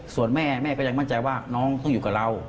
ส่วนแม่แม่ก็ยังมั่นใจว่าน้องต้องอยู่กับเรา